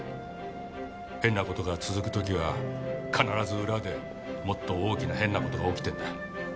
変な事が続く時は必ず裏でもっと大きな変な事が起きてんだ。